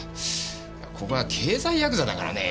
ここは経済ヤクザだからね。